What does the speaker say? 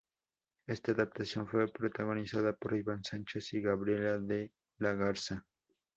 Esta adaptación fue protagonizada por Iván Sánchez y Gabriela de la Garza.